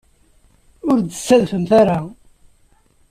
Ur d-ttadfemt ara.